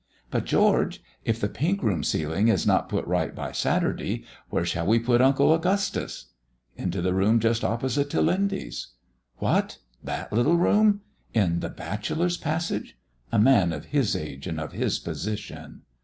"But, George, if the pink room ceiling is not put right by Saturday, where shall we put Uncle Augustus?" "Into the room just opposite to Lindy's." "What! that little room? In the bachelor's passage? A man of his age, and of his position!"